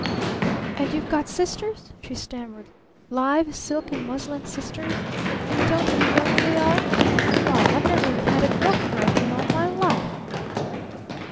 "And you've got sisters?" she stammered. "Live silk and muslin sisters? And you don't even know where they are? Why, I've never even had a girl friend in all my life!"